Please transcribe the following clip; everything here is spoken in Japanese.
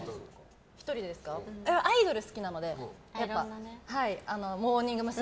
アイドル好きなのでモーニング娘。